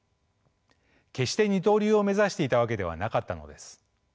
決して二刀流を目指していたわけではなかったのです。